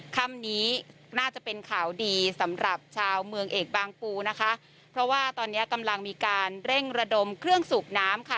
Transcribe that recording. คำนี้น่าจะเป็นข่าวดีสำหรับชาวเมืองเอกบางปูนะคะเพราะว่าตอนเนี้ยกำลังมีการเร่งระดมเครื่องสูบน้ำค่ะ